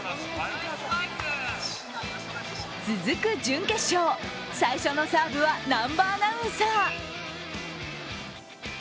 続く準決勝、最初のサーブは南波アナウンサー。